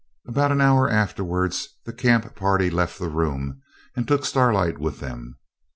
About an hour afterwards the camp party left the room, and took Starlight with them.